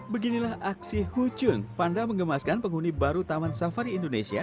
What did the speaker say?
beginilah aksi hucun panda mengemaskan penghuni baru taman safari indonesia